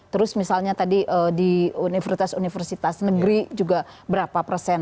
terus misalnya tadi di universitas universitas negeri juga berapa persen